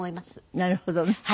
なるほどね。